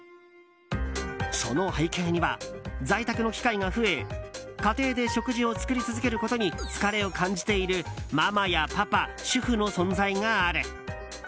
その背景には、在宅の機会が増え家庭で食事を作り続けることに疲れを感じているママやパパ主婦の存在がある。